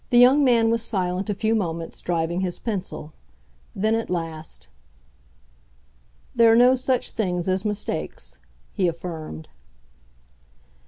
_" The young man was silent a few moments, driving his pencil. Then at last, "There are no such things as mistakes," he affirmed.